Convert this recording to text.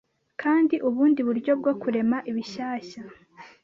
Kandi ubundi buryo bwo kurema ibishyashya